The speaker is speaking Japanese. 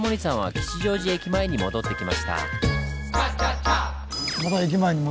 吉祥寺駅に戻ってきました。